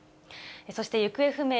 そして行方不明